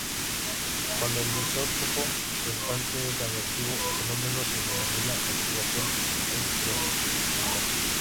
Cuando el isótopo resultante es radiactivo el fenómeno se denomina Activación Neutrónica.